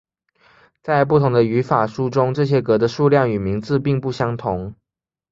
在不同的语法书中这些格的数量与名字并不相同。